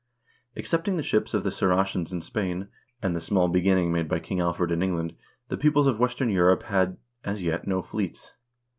1 Excepting the ships of the Saracens in Spain, and the small begin ning made by King Alfred in England, the peoples of western Europe had as yet no fleets.